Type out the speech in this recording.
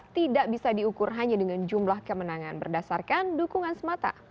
tidak bisa diukur hanya dengan jumlah kemenangan berdasarkan dukungan semata